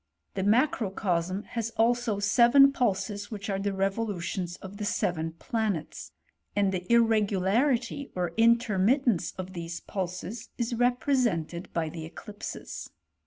The macrocosm has also seven pulses, which are the revolutions of the seven planets, and the irregularity or intermittence of these pulses, is represented by the eclipses.